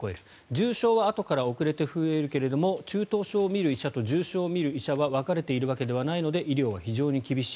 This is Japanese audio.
重症はあとから遅れて増えるけれども中等症を診る医者と重症を診る医者は分かれているわけではないので医療は非常に厳しい。